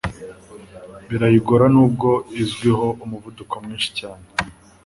birayigora nubwo izwiho umuvuduko mwinshi cyane